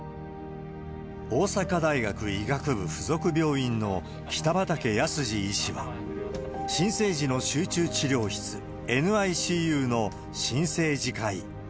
大阪大学医学部附属病院の北畠康司医師は、新生児の集中治療室・ＮＩＣＵの新生児科医。